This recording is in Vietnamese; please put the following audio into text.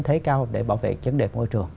thấy cao để bảo vệ chứng đề môi trường